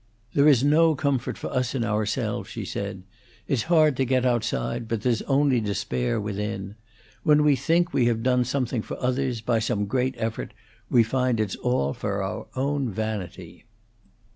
"There is no comfort for us in ourselves," she said. "It's hard to get outside; but there's only despair within. When we think we have done something for others, by some great effort, we find it's all for our own vanity."